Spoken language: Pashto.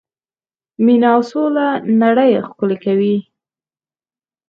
مینه او سوله نړۍ ښکلې کوي.